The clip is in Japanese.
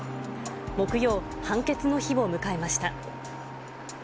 木曜、判決の日を迎えました。